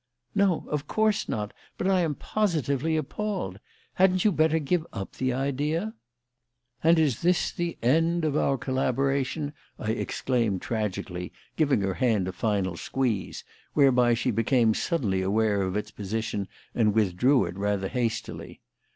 "No, of course not. But I am positively appalled. Hadn't you better give up the idea?" "And is this the end of our collaboration?" I exclaimed tragically, giving her hand a final squeeze (whereby she became suddenly aware of its position, and withdrew it rather hastily).